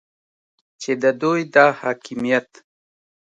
چې د دوی دا حاکمیت